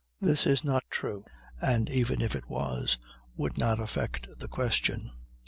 This is not true, and even if it was, would not affect the question.